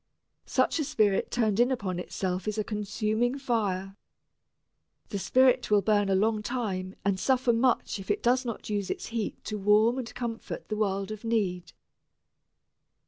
Such a spirit turned in upon itself is a consuming fire. The spirit will burn a long time and suffer much if it does not use its heat to warm and comfort the world of need.